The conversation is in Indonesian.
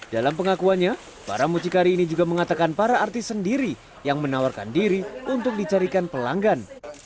dalam pengakuannya para mucikari ini juga mengatakan para artis sendiri yang menawarkan diri untuk dicarikan pelanggan